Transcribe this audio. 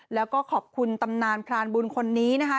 แล้วก็ขอบคุณตำนานพรานบุญคนนี้นะคะ